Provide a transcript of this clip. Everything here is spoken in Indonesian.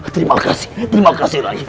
terima kasih terima kasih rakyat